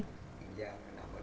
đi dạng lắm rồi